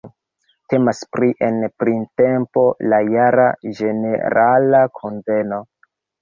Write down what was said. Temas pri en printempo la jara ĝenerala kunveno.